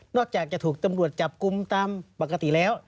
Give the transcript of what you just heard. อกจากจะถูกตำรวจจับกลุ่มตามปกติแล้ว